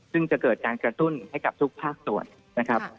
ซึ่งจะเกิดการกระตุ้นให้กับทุกภาคส่วนนะครับ